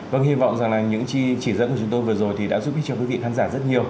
vâng hy vọng rằng là những chỉ dẫn của chúng tôi vừa rồi thì đã giúp ích cho quý vị khán giả rất nhiều